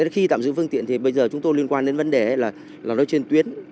khi tạm giữ phương tiện thì bây giờ chúng tôi liên quan đến vấn đề là nó trên tuyến